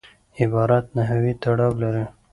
عبارت نحوي تړاو لري.